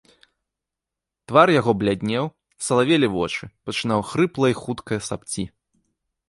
Твар яго бляднеў, салавелі вочы, пачынаў хрыпла і хутка сапці.